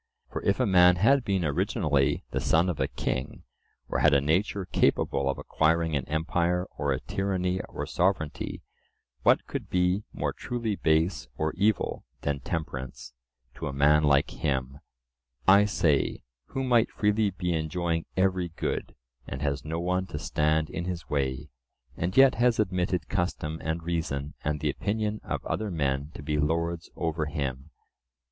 For if a man had been originally the son of a king, or had a nature capable of acquiring an empire or a tyranny or sovereignty, what could be more truly base or evil than temperance—to a man like him, I say, who might freely be enjoying every good, and has no one to stand in his way, and yet has admitted custom and reason and the opinion of other men to be lords over him?